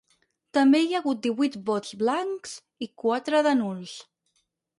També hi ha hagut divuit vots blancs i quatre de nuls.